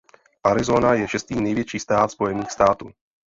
Arizona je šestý největší stát Spojených států.